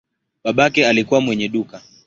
Babake alikuwa mwenye duka.